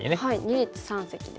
二立三析ですね。